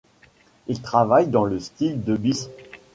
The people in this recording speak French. Il travaille dans le syle de Byss.